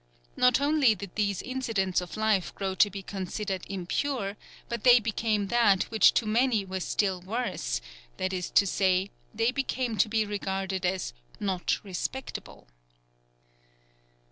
Not only did these incidents of life grow to be considered impure, but they became that which to many was still worse, that is to say, they became to be regarded as "not respectable."